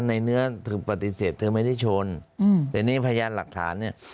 เนื้อเธอปฏิเสธเธอไม่ได้ชนแต่นี่พยานหลักฐานเนี่ย